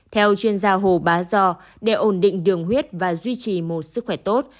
theo chuyên gia hồ bá dò để ổn định đường huyết và duy trì một sức khỏe tốt